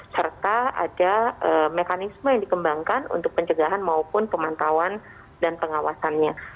serta ada mekanisme yang dikembangkan untuk pencegahan maupun pemantauan dan pengawasannya